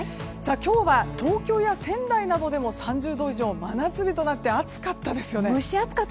今日は東京や仙台などでも３０度以上真夏日となって暑かったですね。